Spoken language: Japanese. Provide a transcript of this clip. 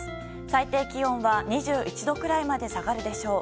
最低気温は２１度くらいまで下がるでしょう。